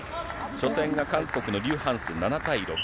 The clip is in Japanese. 初戦が韓国のリュ・ハンス、７対６。